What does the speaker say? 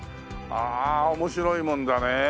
ああ面白いもんだね。